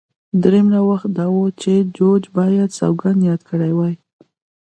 درېیم نوښت دا و چې دوج باید سوګند یاد کړی وای